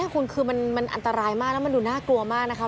คุณคือมันอันตรายมากแล้วมันดูน่ากลัวมากนะคะ